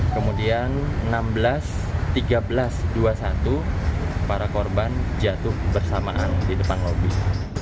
kemudian enam belas tiga belas dua puluh satu para korban jatuh bersamaan di depan lobi